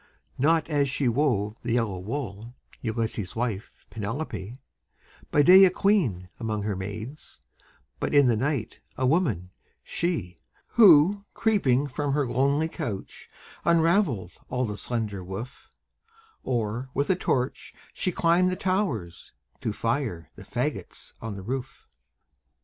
Not as she wove the yellow wool, Ulysses' wife, Penelope; By day a queen among her maids, But in the night a woman, she, Who, creeping from her lonely couch, Unraveled all the slender woof; Or, with a torch, she climbed the towers, To fire the fagots on the roof!